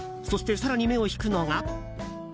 そして、更に目を引くのが。